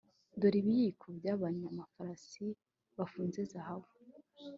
Dore ibiyiko byabanyamafarasi bafunze zahabu